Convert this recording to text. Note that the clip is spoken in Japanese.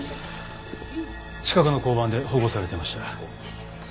近くの交番で保護されてました。